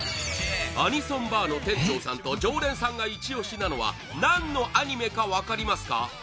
アニソンバーの店長さんと常連さんがイチオシなのは何のアニメか分かりますか？